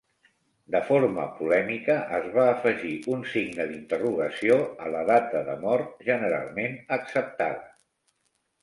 De forma polèmica, es va afegir un signe d'interrogació a la data de mort generalment acceptada.